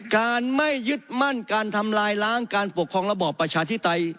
การไม่ยึดมั่นการทำลายล้างการปกครองระบอบประชาธิปไตย